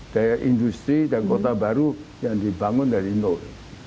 daya industri dan kota baru yang dibangun dari nol